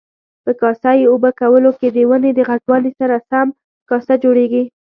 په کاسه یي اوبه کولو کې د ونې د غټوالي سره سم کاسه جوړیږي.